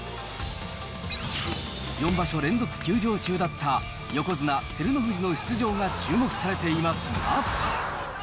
４場所連続休場中だった横綱・照ノ富士の出場が注目されていますが。